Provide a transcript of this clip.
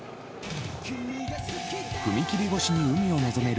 踏切越しに海を臨める